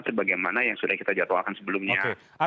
sebagaimana yang sudah kita jadwalkan sebelumnya